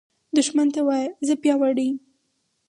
دښمن ته وایه “زه پیاوړی یم”